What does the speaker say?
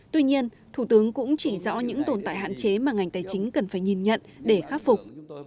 tuy nhiên thủ tướng cũng chỉ rõ những tồn tại hạn chế mà ngành tài chính cần phải nhìn nhận để khắc phục